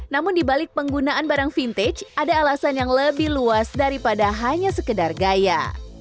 namun dibalik penggunaan barang vintage ada alasan yang lebih luas daripada hanya sekedar gaya